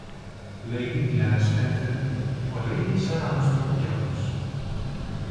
Lady Diana Spencer o Lady Sarah Armstrong-Jones.